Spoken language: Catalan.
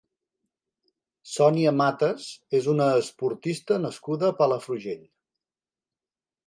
Sònia Matas és una esportista nascuda a Palafrugell.